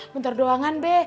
bentar doangan be